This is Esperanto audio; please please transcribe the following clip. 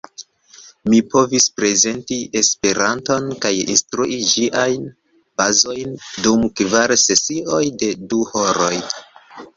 Mi povis prezenti Esperanton kaj instrui ĝiajn bazojn dum kvar sesioj de du horoj.